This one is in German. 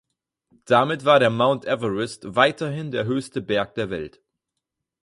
Damit war der Mount Everest weiterhin der höchste Berg der Welt.